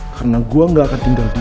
karena gue gak akan tinggal dia